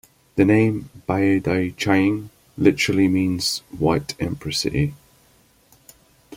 The name "Baidicheng" literally means White Emperor City.